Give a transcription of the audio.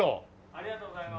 ありがとうございます。